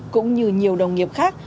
cũng như nhiều đồng nghiệp khác